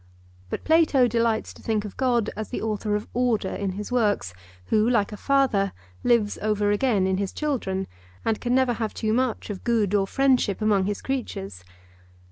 But Plato delights to think of God as the author of order in his works, who, like a father, lives over again in his children, and can never have too much of good or friendship among his creatures.